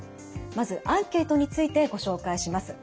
まずアンケートについてご紹介します。